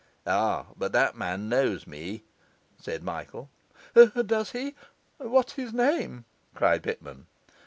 'Ah, but that man knows me,' said Michael. 'Does he? what's his name?' cried Pitman.